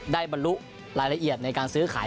บรรลุรายละเอียดในการซื้อขาย